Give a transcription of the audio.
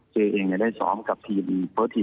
เจ๊เองจะได้ซ้อมกับทีมเบิร์สทีม